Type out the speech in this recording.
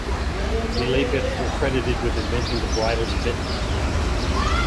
The Lapiths were credited with inventing the bridle's bit.